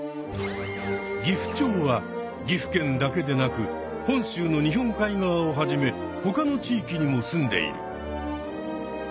ギフチョウは岐阜県だけでなく本州の日本海側をはじめほかの地域にもすんでいる。